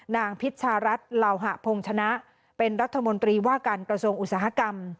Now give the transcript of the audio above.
พิชชารัฐเหล่าหะพงชนะเป็นรัฐมนตรีว่าการกระทรวงอุตสาหกรรม